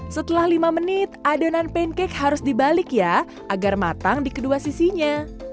setelah lima menit adonan pancake harus dibalik ya agar matang di kedua sisinya